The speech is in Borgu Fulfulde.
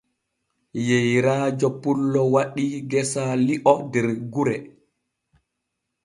Yeyraajo pullo waɗii gesaa li'o der gure.